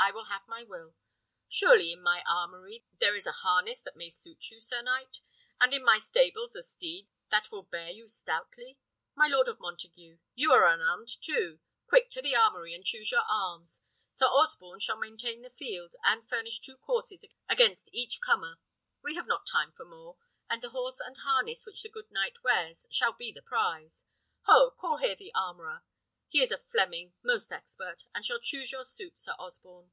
I will have my will. Surely in my armoury there is a harness that may suit you, sir knight, and in my stables a steed that will bear you stoutly. My Lord of Montague, you are unarmed too; quick to the armoury and choose you arms. Sir Osborne shall maintain the field, and furnish two courses against each comer. We have not time for more; and the horse and harness which the good knight wears shall be the prize. Ho! call here the armourer. He is a Fleming, most expert, and shall choose your suit, Sir Osborne."